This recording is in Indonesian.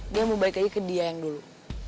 dia mau balik lagi ke dia yang dulu